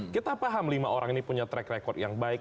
kita paham lima orang ini punya track record yang baik